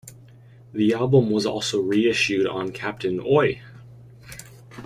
The album was also reissued on Captain Oi!